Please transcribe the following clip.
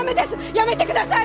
やめてください！